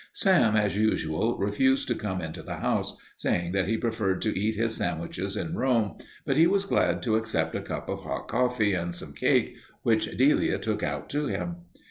Sam, as usual, refused to come into the house, saying that he preferred to eat his sandwiches in Rome, but he was glad to accept a cup of hot coffee and some cake which Delia took out to him.